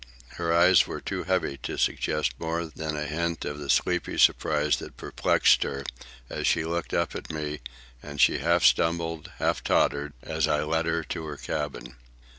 Her eyes were too heavy to suggest more than a hint of the sleepy surprise that perplexed her as she looked up at me, and she half stumbled, half tottered, as I led her to her cabin.